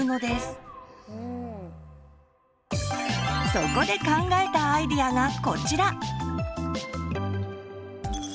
そこで考えたアイデアがこちら！